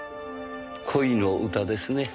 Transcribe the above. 恋の歌ですね。